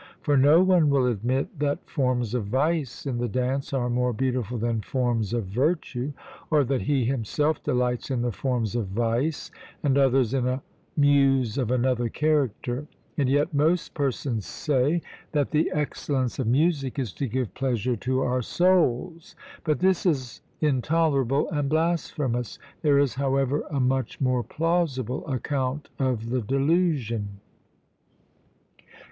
For no one will admit that forms of vice in the dance are more beautiful than forms of virtue, or that he himself delights in the forms of vice, and others in a muse of another character. And yet most persons say, that the excellence of music is to give pleasure to our souls. But this is intolerable and blasphemous; there is, however, a much more plausible account of the delusion.